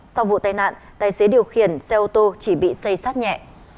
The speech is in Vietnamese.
sau vụ tai nạn tài xế điều khiển xe ô tô chỉ bị xây sát nhẹ